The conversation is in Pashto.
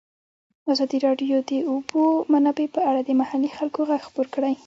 ازادي راډیو د د اوبو منابع په اړه د محلي خلکو غږ خپور کړی.